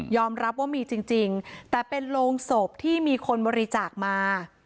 รับว่ามีจริงแต่เป็นโรงศพที่มีคนบริจาคมา